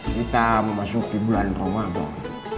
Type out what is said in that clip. kita memasuki bulan ramadan